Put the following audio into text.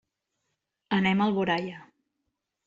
Anem a Alboraia.